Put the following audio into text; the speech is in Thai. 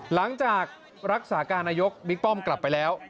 หลังจากรักษาการนายกบิ๊กป้อมกลับไปแล้ว